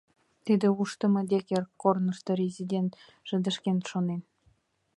“Тиде ушдымо Деккер!”... — корнышто резидент шыдешкен шонен.